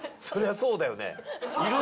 そりゃそうだよね。